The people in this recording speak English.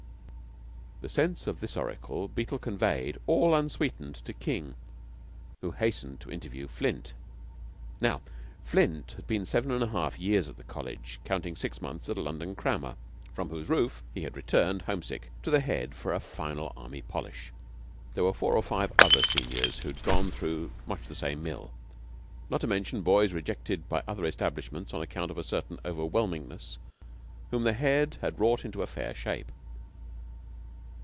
The sense of this oracle Beetle conveyed, all unsweetened, to King, who hastened to interview Flint. Now Flint had been seven and a half years at the College, counting six months with a London crammer, from whose roof he had returned, homesick, to the Head for the final Army polish. There were four or five other seniors who had gone through much the same mill, not to mention boys, rejected by other establishments on account of a certain overwhelmingness, whom the Head had wrought into very fair shape.